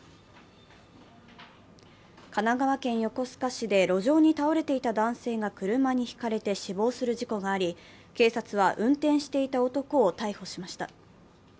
神奈川県横須賀市で路上に倒れていた男性が車にひかれて死亡する事故があり、警察は運転していた男を逮捕しました。